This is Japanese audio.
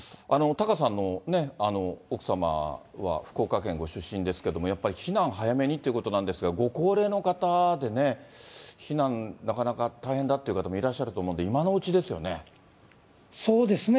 タカさんの奥様は福岡県ご出身ですけれども、やっぱり避難、早めにということなんですが、ご高齢の方でね、避難なかなか大変だという方もいらっしゃると思うんで、今のうちそうですね。